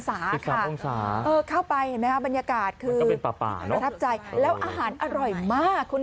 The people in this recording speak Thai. ตุนตุนตุนตุนตุนตุน